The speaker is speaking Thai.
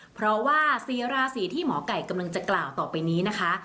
เพราะว่า๔ราศีที่หมอไก่กำลังจะกล่าวต่อไปนี้นะคะ